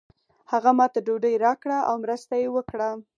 هغه ماته ډوډۍ راکړه او مرسته یې وکړه.